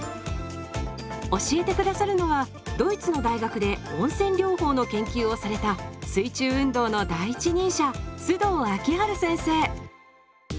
教えて下さるのはドイツの大学で温泉療法の研究をされた水中運動の第一人者須藤明治先生。